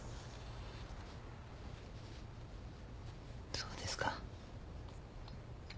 そうですか。